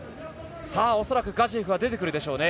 恐らくガジエフは出てくるでしょうね。